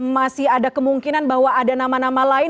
masih ada kemungkinan bahwa ada nama nama lain